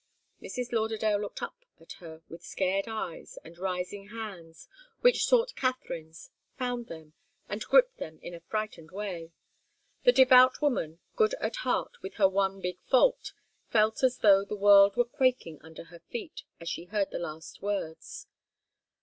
Mrs. Lauderdale looked up at her with scared eyes and rising hands, which sought Katharine's, found them, and gripped them in a frightened way. The devout woman, good at heart with her one big fault, felt as though the world were quaking under her feet as she heard the last words.